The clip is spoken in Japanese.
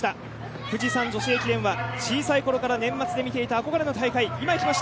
富士山女子駅伝は小さい頃から年末に見ていた憧れの大会。